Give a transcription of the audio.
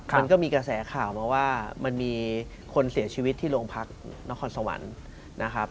มันก็มีกระแสข่าวว่ามีคนเสียชีวิตที่โรงพรรคนอร์ชสวัน